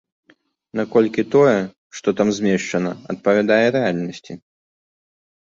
Наколькі тое, што там змешчана, адпавядае рэальнасці?